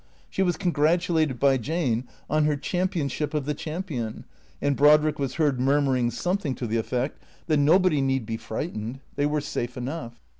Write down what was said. She was congratulated (by Jane) on her championship of the champion, and Brodrick was heard murmuring something to the effect that nobody need be frightened; they were safe enough.